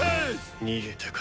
逃げたか。